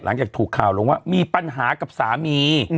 หลังจากถูกข่าวลงว่ามีปัญหากับสามี